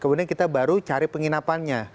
kemudian kita baru cari penginapannya